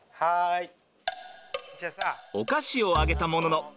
お菓子をあげたものの